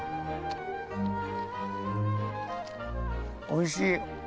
おいしい。